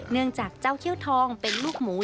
เนื่องจากเจ้าเขี้ยวทองเป็นลูกหมู